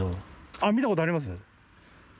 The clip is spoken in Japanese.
あっ見た事あります？